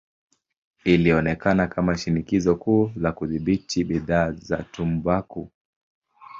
Ilionekana kama shinikizo kuu la kudhibiti bidhaa za tumbaku.